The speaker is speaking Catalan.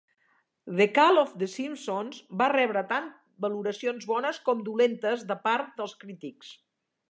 "The Call of the Simpsons" va rebre tant valoracions bones com dolentes de part dels crítics.